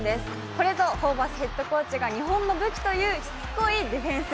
これぞ、ホーバスヘッドコーチが日本の武器と言うしつこいディフェンス。